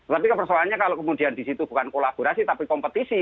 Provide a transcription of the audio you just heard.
tapi persoalannya kalau kemudian disitu bukan kolaborasi tapi kompetisi